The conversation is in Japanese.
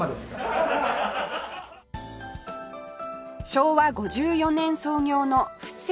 昭和５４年創業の「ふ清」